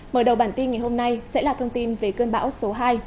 mở đầu bản tin ngày hôm nay sẽ là thông tin về cơn bão số hai